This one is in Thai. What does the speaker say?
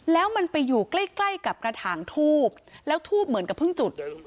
แล้วมันไปอยู่ใกล้ใกล้กับกระถางทูบแล้วทูบเหมือนกับเพิ่งจุด